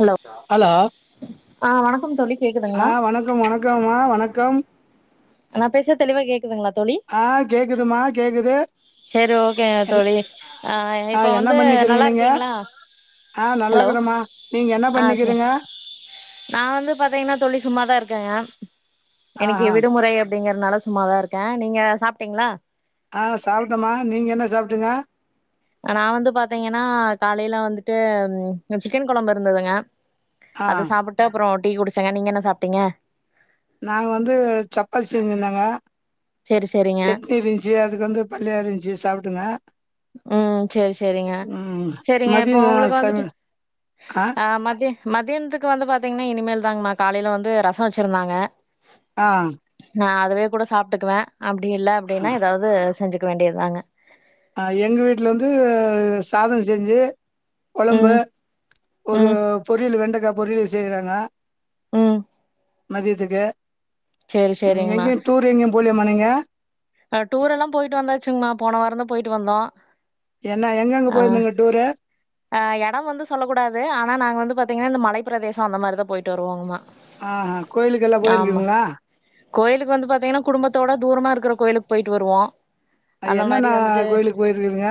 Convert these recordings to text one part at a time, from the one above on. Hello hello ஆ வணக்கம் தோழி ஆ கேக்குதுங்களா வணக்கம் வணக்கம் ம்மா வணக்கம் நா பேசற தெளிவா கேக் துங்களா தோளி ஆ கேக்குதுமா கேக்குது செரி ஓக்கே என்ன தோளி ஆ இப்ப என்ன வந்து பண்ணிக்கிறீங்க நல்லா நீங்க இருக்கீங்களா ஆ ஹலோ நல்லாக்குறேம்மா நீங்க என்ன ஆ சார் பண்ணிக்கிறீங்க நா வந்து பாத்தீங்கன்னா தோளி சும்மாதா இருக்கேங்க இன்னிக்கு ஆஹா விடுமுறை அப்படிங்கறனால சும்மாதா இருக்கே நீங்க சாப்பிட்டீங்களா ஆ சாப்பட்டமா நீங்க என்ன சாப்பிட்டிங்க நா வந்து பாத்தீங்கன்னா காலையில வந்துட்டு சிக்கன் குழம்பு இருந்ததுங்க ஆ அது சாப்புட்டு அப்புறோ டீ குடிச்சங்க நீங்க என்ன சாப்பிட்டீங்க நாங்க வந்து சப்பாத்தி செஞ்சிருந்தேங்க சரி சரிங்க சட்னி இருந்துச்சு அதுக்கு வந்து பனியாரோ இருந்துச்சு சாப்பிடுங்க உம் சரி சரிங்க ம் சரிங்க இப்போ மதிய உங்களுக்கு வந்துட்டு சமையல் ஆ மதியம் மதியானத்துக்கு வந்து பாத்தீங்கன்னா இனிமேல் தாங்க காலையில வந்து ரசோ வச்சிருந்தாங்க ஆ அதவே கூட சாப்ட்டுக்குவேன் அப்டி இல்ல அப்டின்னா ஏதாவது செஞ்சு வேண்டியது தாங்க அ எங்க வீட்ல வந்து சாதோ செஞ்சு கொழம்பு ம் ஒரு ம் பொரியல் வெண்டக்கா பொறியல் செய்றாங்க ம் மதியத்துக்கு சேரி ம் எங்கேயும் டூர் எங்கேயும் போலியமா நீங்க அ டூர் எல்லா போயிட்டு வந்தாச்சுங்மா போன வாரோந்தா போயிட்டு வந்தோ என்ன எங்கெங்க ஆ போயிருந்தீங்க டூரு ஆ எடோ வந்து சொல்லக்கூடாது ஆனா நாங்க வந்து பாத்தீங்கன்னா இந்த மலை பிரதேசோ அந்த மாரி தா போயிட்டு வருவோங்கமா ஆஹா கோயிலுக்கெல்லா ஆமா போயிருக்கீங்களா கோயிலுக்கு வந்து பாத்தீங்கன்னா குடும்பத்தோட தூரமா இருக்குற கோயிலுக்கு போயிட்டு வருவோ அந்த மாரி என்னென்ன வந்துட்டு கோயிலுக்கு போயிருக்குறீங்க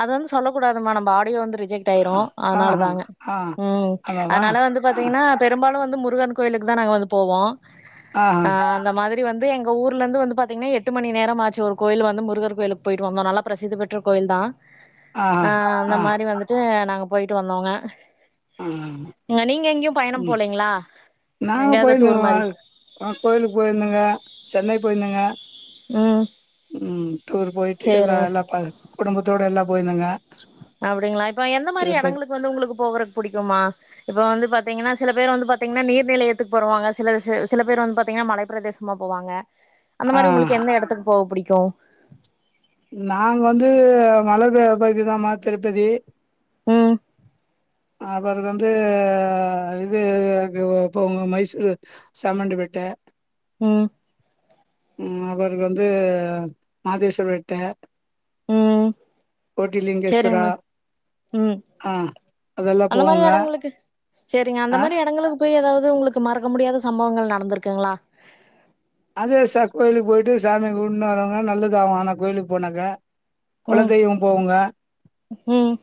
அது வந்து சொல்ல கூடாதுமா நம்ப ஆடியோ வந்து ரிஜெக்ட் ஆயிரும் ஆஹா அதனாலதாங்க ஆ ம் ஆமாவா அதனால வந்து ஆ பாத்தீங்கன்னா பெரும்பாலும் ந்து முருகன் கோயிலுக்கு தா நாங்க வந்து போவோ ஆஹா அ அந்த மாதிரி ப்டி வந்து எங்க ஊர்லந்து வந்து பாத்தீங்கன்னா எட் ட்டு மணி நேரமாச்சு ஒரு கோயில் வந்து முருகர் கோயிலுக்கு போயிட்டு வந்தோ நல்லா பிரசித பெற்ற கோயில் தா ஆ அந்த மாரி வந்துட்டு நாங்க போயிட்டு வந்தோங்க ஆ அ நீங்க எங்கேயும் பயணம் ம் போலீங்களா? நாங்க எங்கயாவது டூர் போயிருந்தங்க வா மாரி? அ கோயிலுக்கு போயிருதங்க சென்னை போயிருந்தங்க ம் ம் டூர் போயிட்டு எல்லா சேரிங்க. எல்லா பா குடும்பத்தோட எல்லா போயிந்தங்க அப்புடிங்களா இப்ப எந்த மாரி எடங்களுக்கு வந்து உங்களுக்கு போகுறக் புடிக்குமா இப்ப வந்து பாத்தீங்கன்னா சில பேர் வந்து பாத்தீங்கன்னா நீர்நிலையத்துக்கு போருவாங்க சில சில சில பேர் வந்து பாத்தீங்கன்னா மலைப்ப பிரதேசமா போவாங்க அந்த ஆ மாரி உங்களுக்கு எந்த எடத்துக்கு போக புடி டோ நாங்கள் வந்து மலை ப- பகுதி தா மா திருப்பதி ம் அப்புறோ வந்து இது க்கு போங்க மைசூர் செமண்டிபேட்டை ம் ம் அவர் வந்து மாதேஸ்வர் வெட்டே ம் செரிங்னா ம் ஆ அதெல்லா அந்த மாரி போவோங்க எடங்களுக்கு செரிங்க அந்த ஆ மாரி எடங்களுக்கு போய் ஏதாவ் து உங்குளுக்கு மறக்க முடியாத சம்பவங்கள் நடந்திருக்குங்ளா அதே சாக் கோயிலுக் போய் ட்டு சாமி கும்ட்டு வரவங்க நல்லது ஆவு ஆனா கோயிலுக் போனாக்கா குல ம் தெய்வோ போவுங்க ம்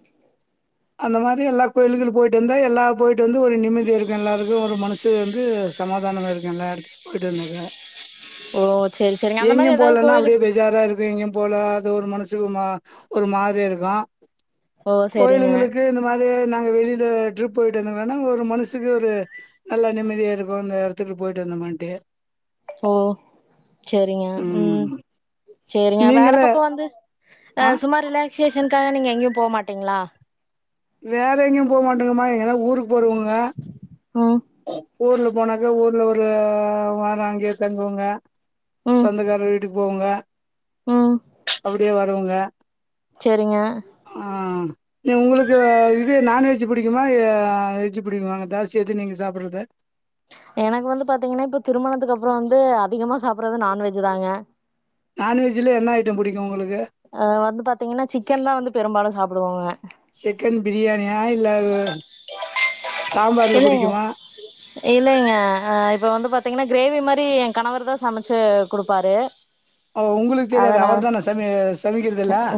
அந்த மாரி எல்லா கோயில்களு போய்ட்டு வந்தா எல்லா போய்ட்டு வந்து ஒரு நிம்மதி இருக்கு எல்லாருக்கு ஒரு மனசு வந்து சமாதானமா இருக்கு எல்லா எடத்துக்கு போய்ட்டு வந்தாக்க ஓ செரி செரிங்க அந்த மாரி எங்க்யு ஏதாவது போலன்னா அப்டே கோயிலுக்கு பெஜாரா இருக்கு எங்க்யு போல அது ஒரு மன சு ஒ மா ஒரு மாரியா ருக்கோ ஓ செரிங்க க்கு இந்த மாரி கு நாங்க வெளியில ட்ரிப் போய்ட்டு வந்தோன்னா ஒரு மனசுக்கு ஒரு நல்ல நிம்மதியா இருக்கோ அந்த எடத்துக்கு போய்ட்டு வந்தமேன்ட்டு ஓ செரிங்க ம் செரிங்க வேற நீங்களே பக்கோ வந்து அ ஆ சும்மா ரிலாக் ஸேஷனுக்காக நீங்க எங்யு போ மாட்டீங்ளா வேற எங்யு போக மாட்டேங்கமா எங்கன்னா ஊருக் போறவுங்க ம் ஊர்ல போனாக்க ஊர்ல ஒரு வாரோ அங்க்யே தங்குவுங்க ம் சொந்தக்கார வீட்டுக்கு போவோங்க ம் அப்டியே வ செரிங்க [unintelligible] அ நீ உங்குளுக்கு இ ங்கு நான்வெஜ்ஜு புடிகுமா எ வெஜ்ஜு புடிக்குமாங்க தாசிதி எது நீங்க சாப் பட்ருது எனக்கு வந்து பாத்தீங்கன்னா இப்ப திருமணத்துக்கு அப்புறோ வந்து அதிகமா சாப்றது நான்வெஜ்ஜு தாங்க நான்வெஜ்ல என்ன ஐட்டம் பிடிக்கும் உங்களுக்கு அ வந்து பாத்தீங்கன்னா சிக்கன் தா வந்து பெரும்பாலு சாப் டுவோங்க சிக்கன் [unintelligible] இல்லைங்க பிடிக்குமா இல்லைங்க அ இப்ப வந்து பாத்தீங்கன்னா கிரேவி மா ரி என் கணவர் தா சமச்சு குடுப்பாரு ஓ உங்களுக்கு தெரியாது அதனால அவர் தான சம சமைக்கிறதுல்ல அ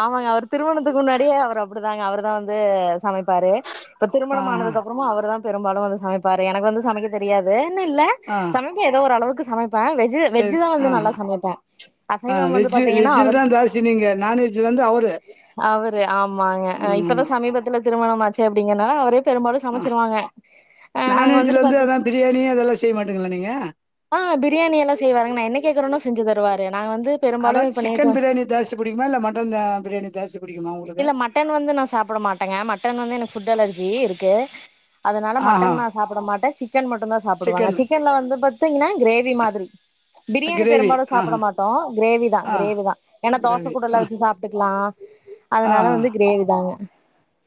ஆமாங்க அவர் திருமணத்துக்கு முன்னாடியே அவரு அப்பிடிதாங்க அவர் தா வந்து சமைப்பாரு இப்ப ஆ ஆ திருமணமானதுக்கப் அவரு தா பெரும்பாலு வந்து சமைப்பாரு எனக்கு வந்து சமைக்க தெரியாது ன் இல்ல ஆ, சமைப்பே எதோ ஒரு அளவுக்கு சமப் தா வெஜ்ஜூ சரி வெஜ் தா ஆ வந்து நல்லா சமைப்பே ஆ அசைவம் வந்து வெஜ்ஜு பாத்தீங்கன்னா வெஜ்ஜில அவரு தான் ஜாஸ்தி நீங்க நான்வெஜ்ல வந்து அவரு அவரு ஆமாங்க ம் இப்பதா ஆமா சமீபத்துல திருமணம் ஆச்சு அப்டிங்கன்னா அவரே பெரு ஆ சமச்சிருவாங்க அ நாங்க நான்வெஜ்ல வந்துட்டு வந்து பாத்த அதா பிரியாணி அதெல்லா செய்ய மாட்டீங்களா நீங்க ஆ பிரியாணி எல்லா செய்வாருங்க நா என்னைக்கு கேக்கறேணோ செஞ்சு தருவாரு நா வந்து அதா பெரும்பாலு இப்ப நேத்து சிக்கன் பிரியாணி ஜாஸ்தி புடிக்குமா இல்ல மட்டன் ஜா பிரியாணி ஜாஸ்தி புடிக்குமா உங்களுக்கு இல்ல வந்து மட்டன் வந்து நா சாப்ட மாட்டேங்க மட்டன் வந்து எனக்கு ஃபுட் அலர்ஜி இரு க்கு அதனால ஆஹா மட்டன் நா சாப்பிட மாட்டே சிக்கன் மட்டு தா சாப்புடுவங்க சிக்கன் சிக்கன்ல வந்து ப த்தீங்கன்னா கிரேவி மாதிரி பிரியாணி கிரேவி பெரும்பாலு சாப்ட ஆஹா மாட்டோ கிரேவி தா ஆ கிரேவிதா ஏன்னா தோச கிரேவி கூடல்லா ஆ வெச்சு சாப்ட்டுக்லா ஆ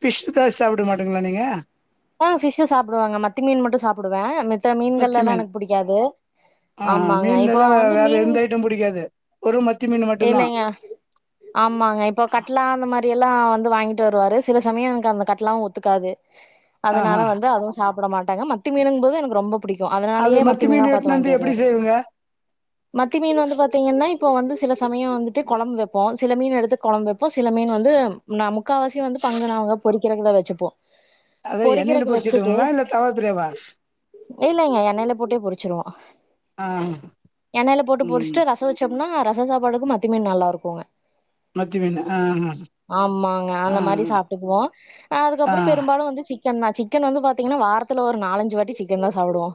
பிஷ் தா சாப்ட மாட்டீங்களா நீங்க ஆ ஃபிஷ்ஷு சாப்டுவேங்க மத்தி மீன் மட்டு சாப்புடுவே ம த்த மீன்கள் மத்தி எல்லா மீன் எனக்கு புடிக்காது ஆஹா ஆமாங்க இப்போ மீன்லல்லா வந்து வேற மீன் எந்த ஐட்டம் புடிக்காது வெறு மத்தி மீன் மட்டுந்தா இல்லைங்க ஆமாங்க இப்ப கட்லா அந்த மாரியெல்லா வந்து வாங்கிட்டு வருவாரு சில சமயம் எனக்கு அந்த கட்லாவு ஒத்துக்காது அதனால ஆஹா வந்து அதுவு சாப் புட மாட்டாங்க மத்தி மீனுங் போது எனக்கு ரொம்ப பிடிக்கு அது அதனாலயே மத்தி மீனா மீன் பாத்து எட்னாந்து வாங்கிட்டு எப்டி வருவாரு செய்வீங்க மத்தி மீன் வந்து பாத்தீங்கன்னா இப்போ வந்து சில சமயோ வந்துட்டு கொழம்பு வெப்போ சில மீன் எடுத்து கொழம்பு வெப்போ சில மீன் வந்து நமக் முக்காவசி வந்து பங்கனாவா பொருக் கிடங்ல வச்சுப்போ அத எண்ணெயில பொறிக்கிறக்கு பொறிச்சிடுங்களா இல்ல தவா பிரேய்வா இல்லங்க என்னைல போட்டே போரிச்சிருவோ ஆ எண்ணெய்ல போட்டு ம் பொறிச்சுட்டு ரசம் வச்சோம்னா ரசம் சாப்பாடுக்கு மத்திமீன் நல்லா இருக்கும்ங்க மத்தி மீன் ஆஹா ஆமாங்க ஆ அந்த மாரி சாப்டுக்குவோ ஆ அதுக்கப்றோ பெரும்பாலு வந்து சிக் ன்னா சிக்கன் வந்து பாத்தீங்கன்னா வாரத்துல ஒரு நாலஞ்சு வாட்டி சிக்கன் தா சாப்புடுவோ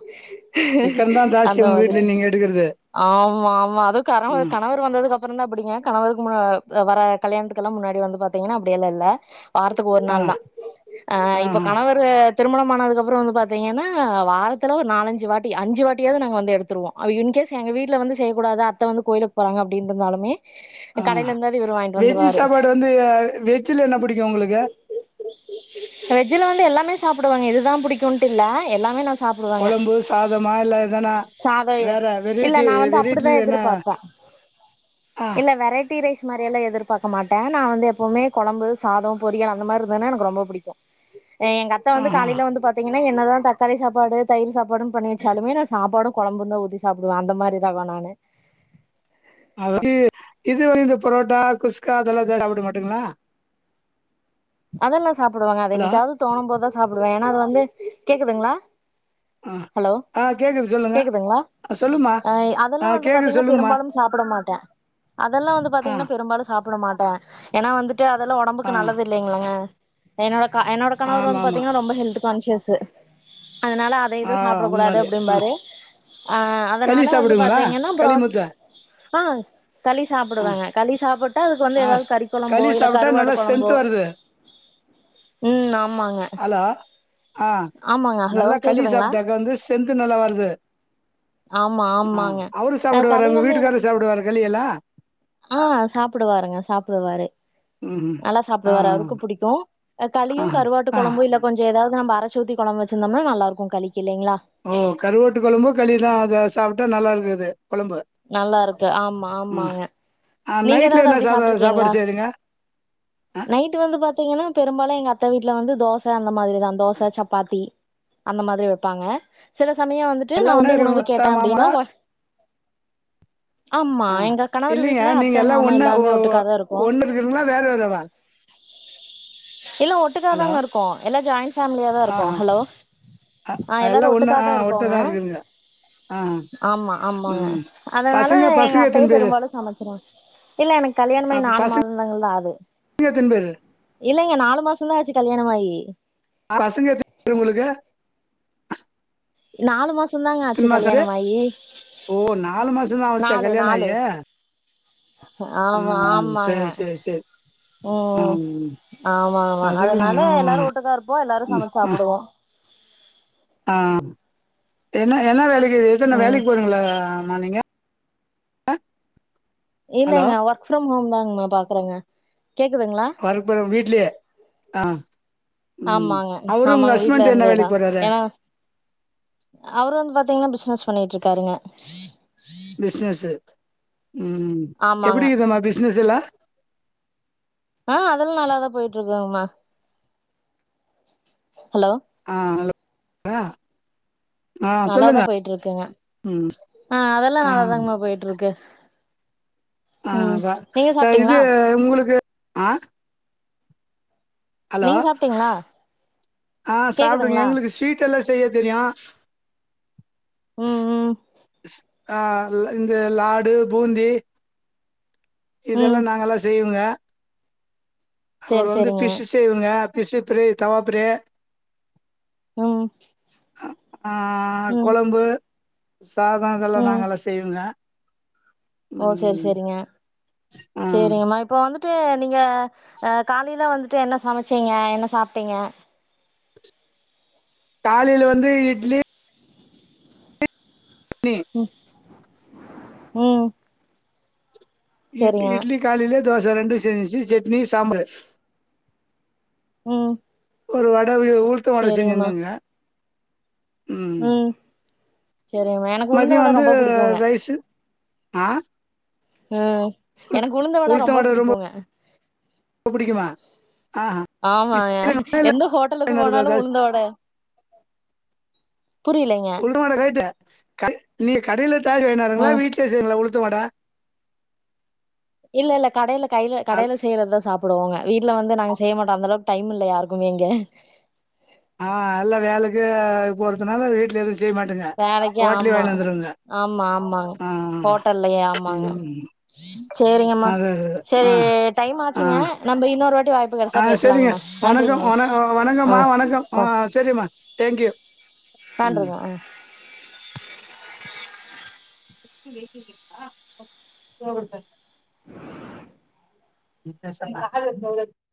சிக்கன் தா அந்த ஜாஸ்தி உங்க மாதிரி வீட்ல நீங்க எடுக்கறது ஆமா ஆமா அது கரவ ம் கணவர் வந்ததுக்கப் அப்பறந்தா அப்டிங்க கணவருக்கு முன்ன வர கல்யாணத்துக்கெலா முன்னாடி வந்து பாத்திங்கனா அப்டி எல்லா இல்ல வாரத்துக்கு ஒரு ஆ நாள் தா ஆ இப்ப கணவரு திருமணமானதுக்கப்புற வந்து பாத்திங்கனா வாரத்துல ஒரு நாலஞ்சு வாட்டி அஞ்சு வாட்டியாது நாங்க வந்து எடுத்துருவோ யுன்கேஸ் எங்க வீட்ல வந்து செய்யக்கூடாது அத்த வந்து கோயிலுக்கு போறாங்க அப்டின்ருந்தாலுமே ஆ வெஜ் சாப்பாடு வந்து வெஜ்ல என்ன பிடிக்கு உங்ளுக்கு வெஜ் இதுல வந்து எல்லாமே சாப்டுவாங்க இதுதா பிடிக்குன்ட்டு இல்ல எல்லாமே நா சாப்டுவாங்க கொழம்பு சாதமா இல்ல எதனா சாதோ வேற இல்ல வெரெய்ட்டி நா வந்து அப்டிதா வெரெய்ட்டில என்ன எதிர்பாப்பே ஆ இது மாரியெல்லா எதிர்பாக்க மாட்டே நா வந்து எப்பவுமே கொழம்பு, சாத, பொரியல் அந்த மாரி இருந்துதுனா எனக்கு ரொம்ப புடிக்கு எ எங்க அத்த ஆ வந்து ஆ காலையில வந்து பாத்தீங்க என்னதா தக்காளி சாப்பாடு, தயிர் சாப்பாடுன் பண்ணி வச்சாலுமே நா சாப்பாடு கொழம்புந்தா ஊத்தி சாப்டுவ அந்த மாரி தவா நானு அவுரு இது வந்து பரோட்டா, குஸ்கா அதெல்லா சாப்ட மாட்டங்ளா அதெல்லாஸ் சாப்புடுவாங்க அது ஹலோ என்னைக்காவது தோணும் போதாஸ் சாப்பிடுவே ஏன்னா அது வந்து கேக்குதுங்ளா ஆ ஹலோ ஆ கேக்குது சொல்லுங்க கேக்குதுங்ளா ஆ சொல்லுமா அ அதெலா ஆ வந்து கேக்குது பாத்திங்னா சொல்லுங்கமா பெரும்பாலும் சாப்ட மாட்டே அதெல்லா வந்து ஆ பாத்திங்னா பெரும்பாலு சாப் புட மாட்டே ஏன்னா வந்துட் ஏ அதெல்லா ஒடம்புக்கு ஆ நல்லது ங்ளங்க என்னோட அ என்னோட கணவர் ஆமா வந்து ஆமா பாத்திங்னா ரொம்ப ஹெல்த் கான்ஷியஸு அதனால அத ஆ எது சாப்புட அந்த கூடாது மாரி ஆ அப்டிம்பாரு ஆ களி அதனால வந்து சாப்டுவீங்களா பாத்திங்கனா களி புரோட் முத்த ஆ களி ஆ சாப்டுவங்க களி சாப்பிட் அதுக்கு வந்து ஆ எதாவுது ஸ் கறி கொழம்போ களி இல்ல சாப்ட்டா கருவாடு நல்லா கொழம்போ ஸ்ட்ரென்த் வருது ம் ஆமாங்க ஹலோ ஆ ஆமாங்க ஹலோ நல்லா களி கேக்குதுங்களா சாப்ட்டாக வந்து ஸ்டென்த்து நல்லா வருது ஆமா ஆ ஆமாங்க அவரு அ சாப்டுவாரா களி உங்க வந்து வீட்டுக்காரர் எனக்கு சாப்டுவாரா களி எல்லா ஆ சாப்டுவாருங்க சாப்டுவாரு ம் நல்லா ஆ சாப்டுவார் அவருக்கு புடிக்கு அ ஆ கலியு கருவாட்டு ஆ கொழம்பு இல்ல கொஞ்ச ஏதாவ் நம்ப அரச்சி உத்தி கொழம்பு வெச்சிருந்தோம்னா நல்லா இருக்கு களி ஓ கருவோட்டு கொழம்பு களிதா அத சாப்ட்டா நல்லா இருந்துது நல்லா இருக்கு ஆமா ம் ஆமாங்க ஆ நீங்க நைட்ல ஏதாவது என்ன அப்டி சாதா சாப்ட்ருக்கீங்களா சாப்பாடு செய்றீங்க அ நைட்டு வந்து பாத்தீங்கன்னா பெரும்பாலு எங்க அத்த வீ ட்ல வந்து தோச அந்த மாரி தா தோச சப்பாத்தி அந்த மாதிரி வெப்பாங்க சில சமையோ வந்துட்டு எல்லா நா ஒன்னா வந்து உணவு இருக்குங்களா அத்த கேட்டே மாமா அப்டின்னா ஒ ஆமா ஆஹ் எங்க கணவர் இல்லலைங்க நீங்க இல்லிங்க வீட்ல நீங்க அத்த எல்லாம் மாமா ஒண்ண எல்லாருமே ஒட்டுக்காதா இருக்கோ ஒண்ணறீங்களா வேற வேற வா இல்ல ஒட்டுக்கா தாங்க இருக்கோம் எல்லாம் ஜாயிண்ட் ஃபேமிலியா தான் இருக்கும் ஆஹா ஹலோ ஆ அ எல்லா எல்லாரும் ஒன்னு ஒட்டுக்காக ஆ தான் இருக்கோங்க ஒட்டதா இருக்குதுங்க ஆ ஆமா ஆமாங்க ம் அதனால பசங்க எங்க பசங்க அத்தையே எத்தினி பேரு பெரும்பாலும் சமைச்சுருவங்க இல்ல எனக்கு கல்யாணம அப்ப நாலு பசங்க மாதம் தாங்க தான் ஆது எத்தினி பேரு இல்லைங்க நாலு மாசம் ஆச்சு கல்யாணமாயி பசங்க எத்தினி பேரு உங்களுக்கு நாலு மாசம் தாங்க ஆச்சு எத்தினி மாச கல்யாணமாயி ஓ நாலு மாசந்தா ஆச்சா நாலு கல்யாண ஆயி நாலு ஆமா ம் ஆமாங்க சேரி சேரி சேரி உம் ம் ஆமா ஆமா அதுக்கு அதனால எல்லாரும் ஒட்டுக்கா இருப்போம் எல்லாரும் சமைச்சி ம் சாப்புடுவோம் ஆ என்ன என்ன வேலைக் எத்தனை ம் வேலைக்கு போறங்களா ஆமா நீங்க ஹலோ இல்லைங்க ஒர்க் ஃப்ரம் ஹோம் தாங்க உங்கள பாக்குறேங்க கேக்குதுங்களா ஒர்க் போற வீட்லயே ஆ ம் ஆமாங்க அவரு உங்க ஆமாங்க வீட்டுல ஹஸ்பண்ட் என்ன வேலைக்கு இருந்தேதான் போறாரு ஏன்னா அவரு வந்து பாத்தீங்கன்னா பிசினஸ் பண்ணிட்டு இருக்காருங்க பிசினஸ் உம் ஆமாங்க எப்படி இருக்கும்மா பிசினஸ் எல்லாம் ஆ அதெல்லாம் நல்லாதான் போயிட்டு இருக்கங்கமா ஹலோ ஆ நல்லா போயிட்டு இருக்கா ஆ சொல்லுங்க நல்லாதான் போயிட்டு இருக்குங்க ம் ஆஹ் அதெல்லா நல்லாதாங்கமா போயிட்டு இருக்கு ம் ஆஹ நீங்க ச இது சாப்ட்டீங்களா உங்களுக்கு ஆஹ் நீங்க சாப்பிட்டீங்களா ஆஹ் சாப்பிடுங்க எங்களுக்கு ஸ்வீட் எல்லா செய்ய தெரியு ஆ ம் ம் ஆஹ் இந்த லாடு பூந்தி ம் இதெல்லா நாங்கல்லா செய்வோங்க சேரி அப்புறம் வந்து சேரிங்க ஃபிஷ்ஷு செய்வோங்க பிஷ்சு ஃப்ரே தவா ஃபிரே உம் ஆஹ் ஆஹ் கொழம்பு சாதம் இதெல்லா ம் நாங்கயெல்லா செய்வோங்க ஓ சேரி ம் சேரிங்க ஆ சேரிங்கம்மா இப்ப வந்து ட்டு நீங்க அஹ் காலையிலா வந்துட்டு என்ன சமைச்சீங்க என்ன சாப்பிட்டீங்க காலையில வந்து இட்லி ஹம் ம் இ சேரிங்க இட்லி காலேல தோச ரெண்டு செஞ்சுச்சு சட்னி சாம்பார் உம் ஒருவா ட உள்த்த வட செஞ்சிருந்தங்க உம் சேரிம்மா எனக்கு உளுந்து மதியோ வட ரொம்ப புடிக்குங்க ஆஹ் ம் எனக்கு உளுந்துவட ரொம்ப புடிக்குங்க புடிக்குமா ஆஹா ஆமாங்க எந்த ஹோட்டலுக்கு போனாலு ஏதாவது உளுந்துவட உளுந்து வட ரைட்டு க நீ கடையிலத் ஆ வீட்லேய செய்வங்களா உளுத் து வட இல்ல இல்ல கடையில கையில கடையில செய்யறதுதான் சாப்பிடுவோங்க வீட்டுல வந்து நாங்க செய்ய மாட்டோம் அந்த அளவுக்கு டைம் இல்லை யாருக்குமே எங்க ஆஹ் எல்ல வேலைக்கு போறதுனால வீட்ல எது வேலைக்கு ஆமா ஆமா ஆமாங்க ஆ ஹோட்டல்லயே ஆமாங்க ம் சரிங்கம்மா அது சரி டைம் ஆச்சுங்க நம்ம இன்னொரு வாட்டி வாய்ப்பு கிடைச்சா ஆஹ் சரிங்க பேசலாங்கம்மா வணக்கம் நன்றிங்கம்மா வணக்கம்மா ஆ வணக்கம் ஆ சரிம்மா தேங்க்யூ ம் நன்றிங்க [inaudible] [inaudible] [unintelligible]